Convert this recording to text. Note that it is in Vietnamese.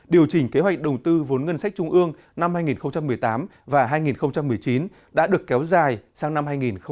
điều chỉnh kế hoạch đầu tư vốn ngân sách trung ương năm hai nghìn một mươi tám và hai nghìn một mươi chín đã được kéo dài sang năm hai nghìn hai mươi